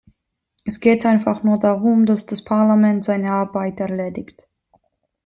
Es geht einfach nur darum, dass das Parlament seine Arbeit erledigt!